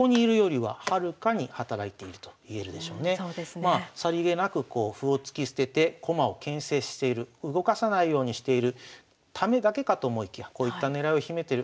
まあさりげなく歩を突き捨てて駒をけん制している動かさないようにしているためだけかと思いきやこういった狙いを秘めてる。